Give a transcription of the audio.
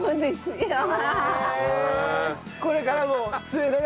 これからも。